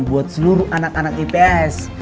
buat seluruh anak anak ips